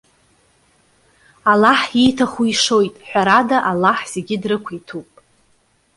Аллаҳ ииҭаху ишоит, ҳәарада Аллаҳ зегьы дрықәиҭуп.